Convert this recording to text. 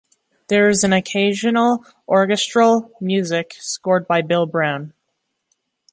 There is occasional orchestral music, scored by Bill Brown.